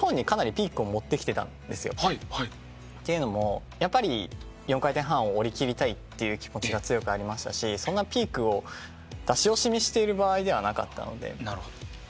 っていうのもやっぱり４回転半を降りきりたいって気持ちが強くありましたしピークを出し惜しみしている場合ではなかったので。